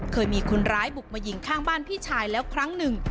เคยมีคนร้ายบุกมายิงข้างบ้านพี่ชายแล้วครั้งหนึ่ง